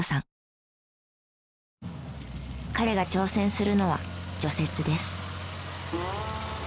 彼が挑戦するのは除雪です。